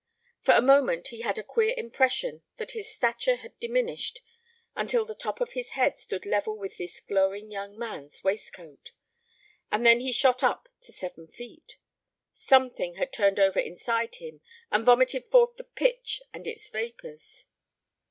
For a moment he had a queer impression that his stature had diminished until the top of his head stood level with this glowing young man's waistcoat. And then he shot up to seven feet. Something had turned over inside him and vomited forth the pitch and its vapors.